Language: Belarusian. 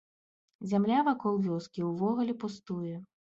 Зямля вакол вёскі ўвогуле пустуе.